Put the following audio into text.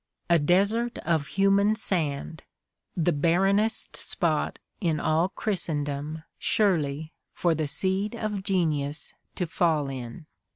A desert of human sand! — the barrenest spot in all Christendom, surely, for the seed of genius to fall in.